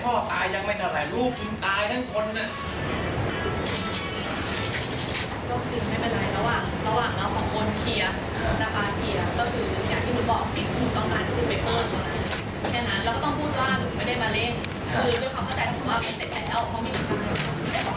คุณต้องเข้าใจถึงว่าคุณเสร็จแล้ว